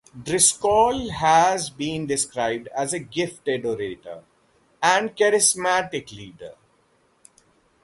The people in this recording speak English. Driscoll has been described as a "gifted orator" and "charismatic leader.